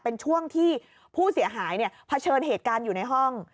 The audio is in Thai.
เป็นช่วงที่ผู้เสียหายเผชิญเหตุการณ์อยู่ในห้อง